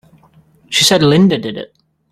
She said Linda did it!